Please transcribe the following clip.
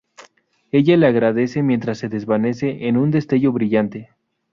Ella le agradece mientras se desvanece en un destello brillante.